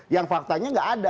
yang faktanya tidak ada